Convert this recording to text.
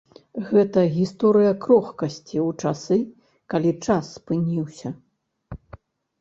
Гэта гісторыя крохкасці ў часы, калі час спыніўся.